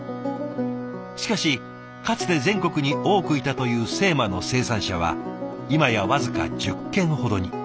しかしかつて全国に多くいたという精麻の生産者は今や僅か１０軒ほどに。